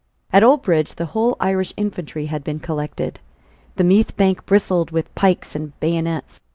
At Oldbridge the whole Irish infantry had been collected. The Meath bank bristled with pikes and bayonets.